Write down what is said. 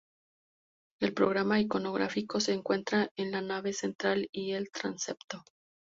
El programa iconográfico se encuentra en la nave central y el transepto.